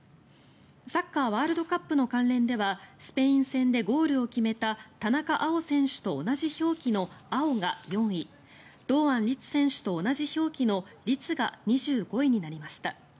サッカーワールドカップの関連ではスペイン戦でゴールを決めた田中碧選手と同じ表記の碧が４位堂安律選手と同じ表記の律が５位になりました。